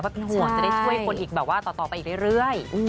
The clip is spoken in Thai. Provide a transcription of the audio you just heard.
ว่าเป็นห่วงจะได้ช่วยคนอีกต่อไปเรื่อย